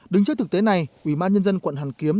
đứng trước thực tế này quỷ ma nhân dân quận hàn kiếm